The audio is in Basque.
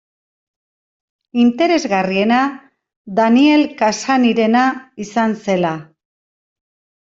Interesgarriena Daniel Cassany-rena izan zela.